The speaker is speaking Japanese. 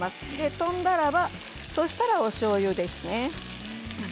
飛んだらそしたら、おしょうゆですね。